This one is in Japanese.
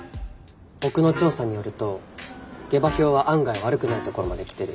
ボクの調査によると下馬評は案外悪くないところまで来てる。